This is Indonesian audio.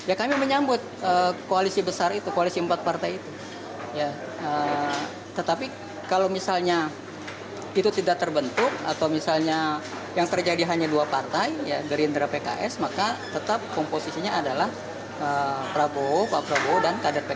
atau misalnya yang terjadi hanya dua partai gerindra pks maka tetap komposisinya adalah prabowo pak prabowo dan kadir pks